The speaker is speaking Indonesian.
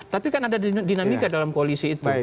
tapi kan ada dinamika dalam koalisi itu